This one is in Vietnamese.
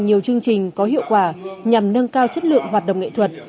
nhiều chương trình có hiệu quả nhằm nâng cao chất lượng hoạt động nghệ thuật